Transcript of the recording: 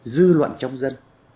dư luận trong dân